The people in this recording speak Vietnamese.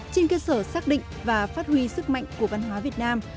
trên cơ sở xác định và phát huy sức mạnh của văn hóa việt nam